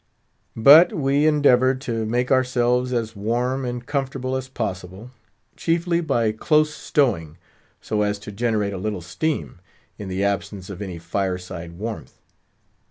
But we endeavoured to make ourselves as warm and comfortable as possible, chiefly by close stowing, so as to generate a little steam, in the absence of any fire side warmth.